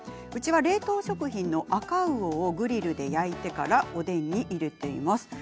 うちは冷凍食品のアカウオをグリルで焼いてからおでんに入れています。